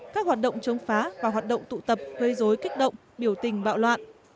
các hoạt động chống phá và hoạt động tụ tập gây dối kích động biểu tình bạo loạn